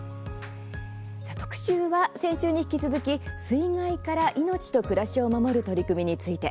特集は先週に引き続き水害から命と暮らしを守る取り組みについて。